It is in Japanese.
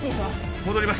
戻ります